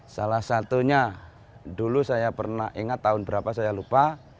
salah satunya dulu saya pernah ingat tahun berapa saya lupa